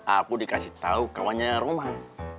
aku dikasih tau kewannya roman